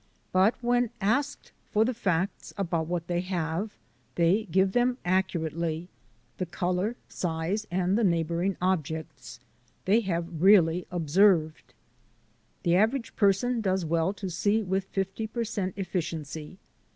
But when asked for the facts about what they have seen they give them accurately — the colour, size, i 7 6 THE ADVENTURES OF A NATURE GUIDE and the neighbouring objects. They have really observed. The average person does well to see with fifty per cent efficiency.